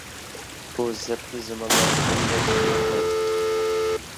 بۇ زەپتى زېمىنلار بىر يەرگە كەتمەيدۇ.